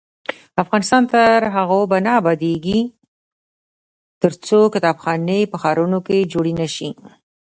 افغانستان تر هغو نه ابادیږي، ترڅو کتابخانې په ښارونو کې جوړې نشي.